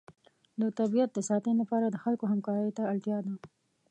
د طبیعت د ساتنې لپاره د خلکو همکارۍ ته اړتیا ده.